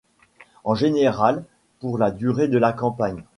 En général, pour la durée de la campagne.